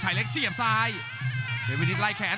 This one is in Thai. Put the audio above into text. ช่ายเล็กเสียบทางซาย